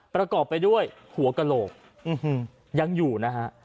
ประกอบไปด้วยหัวกระโหลกยังอยู่นะฮะ